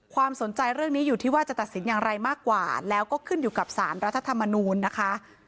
ความสนใจเรื่องนี้อยู่ที่ว่าจะตัดสินอย่างไรมากกว่าแล้วก็ขึ้นอยู่กับสารรัฐธรรมนูลนะคะ